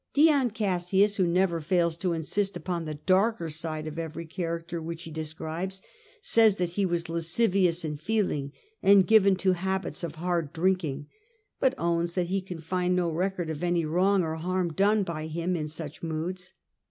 Dion Cassius, who never fails to insist upon the darker side of every character which he describes, says that he was lascivious in feeling, and given to habits of hard drinking, but owns that he can find no record of any wrong or harm done by him in such moods.